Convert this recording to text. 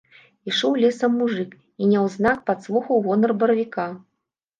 Ішоў лесам мужык і няўзнак падслухаў гонар баравіка.